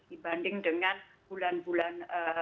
dibanding dengan bulan bulan